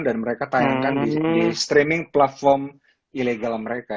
dan mereka tanyakan di streaming platform ilegal mereka